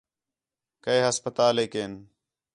کئے ہسپتالیک ہِن